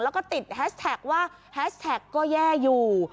แล้วก็ติดแฮสแท็กว่าแฮชแท็กก็แย่อยู่